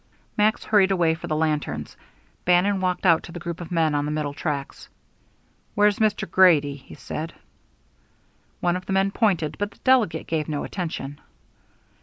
Max hurried away for the lanterns, Bannon walked out to the group of men on the middle tracks. "Where's Mr. Grady?" he said. One of the men pointed, but the delegate gave no attention.